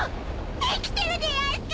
生きてるでやんすか！？